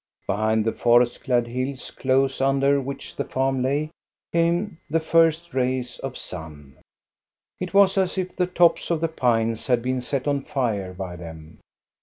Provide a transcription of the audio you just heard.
Behind the forest clad hills, close under Which the farm lay, came the first rays of the sun. It was as if the tops of the pines had been set on fire by them.